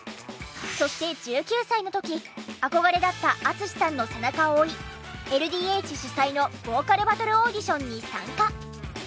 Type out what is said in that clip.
そして１９歳の時憧れだったＡＴＳＵＳＨＩさんの背中を追いＬＤＨ主催のボーカルバトルオーディションに参加。